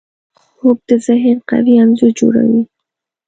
خوب د ذهن قوي انځور جوړوي